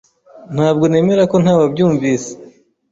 Ntabwo nemera ko ntawabyumvise.